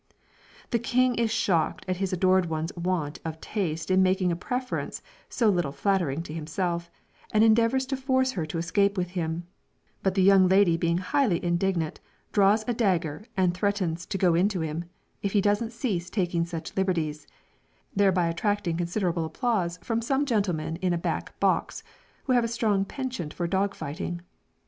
The king is shocked at his adored one's want of taste in making a preference so little flattering to himself, and endeavours to force her to escape with him; but the young lady being highly indignant, draws a dagger, and threatens "to go into him," if he don't cease taking such liberties thereby attracting considerable applause from some gentlemen in a back box, who have a strong penchant for dog fighting.